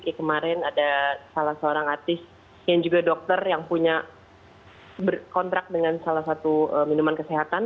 di kemarin ada salah seorang artis yang juga dokter yang punya kontrak dengan salah satu minuman kesehatan